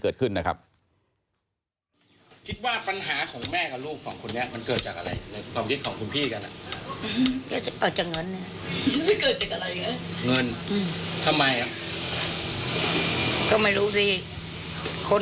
เผื่อเขายังไม่ได้งาน